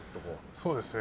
そうですね。